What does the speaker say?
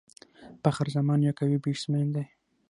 فخر زمان یو قوي بيټسمېن دئ.